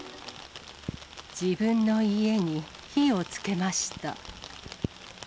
自分の家に火をつけました。